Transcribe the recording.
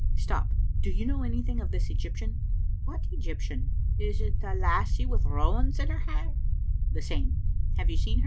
Stop! Do 5^ou know anything of this Egyptian?" "What Egyptian? Is't a lassie wi' rowans in her hair?" " The same. Have you seen her?"